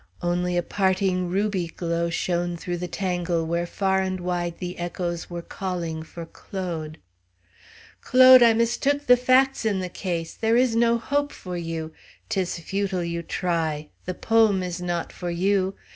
Only a parting ruby glow shone through the tangle where far and wide the echoes were calling for Claude. "Claude! I mistook the facts in the case. There is no hope for you! 'Tis futile you try the poem is not for you!